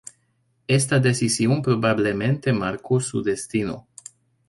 Esta decisión probablemente marcó su destino.